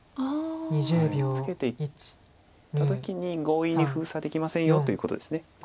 ツケていった時に強引に封鎖できませんよということです。